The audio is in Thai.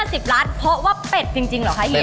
๑๐ล้านเพราะว่าเป็ดจริงเหรอคะเฮีย